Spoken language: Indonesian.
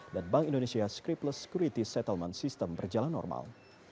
dan bank indonesia scriptless security settlement sistem berjalan normal